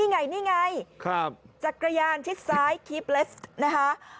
นี่ไงจักรยานทิศซ้ายคีพเลสต์นะค่ะค่ะครับ